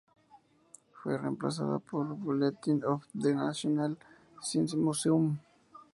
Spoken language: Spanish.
Fue reemplazada por "Bulletin of the National Science Museum"